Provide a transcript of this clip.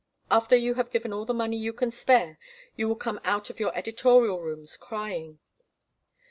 After you have given all the money you can spare you will come out of your editorial rooms crying.